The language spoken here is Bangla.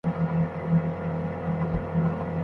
তুমি সন্তুষ্টচিত্তে ও সন্তোষভাজন হয়ে তোমার রবের নিকট গমন কর।